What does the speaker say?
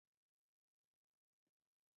زه په کلي کي دنده لرم.